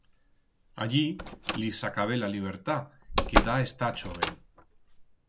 Allí lis s'acabé la libertat que da estar choven.